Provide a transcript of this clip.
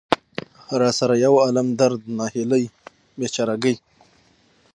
را سره يو عالم درد، ناهيلۍ ،بېچاره ګۍ.